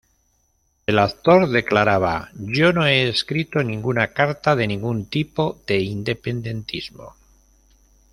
El actor declaraba: "Yo no he escrito ninguna carta de ningún tipo de independentismo.